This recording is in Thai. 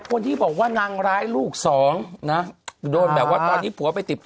คนที่บอกว่านางร้ายลูกสองนะโดนแบบว่าตอนนี้ผัวไปติดต่อ